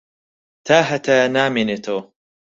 تاھەتایە نامێنێتەوە.